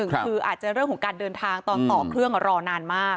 คืออาจจะเรื่องของการเดินทางตอนต่อเครื่องรอนานมาก